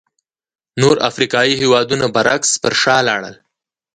نور افریقایي هېوادونه برعکس پر شا لاړل.